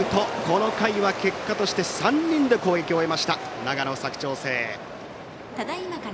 この回は結果として３人で攻撃を終えました長野・佐久長聖。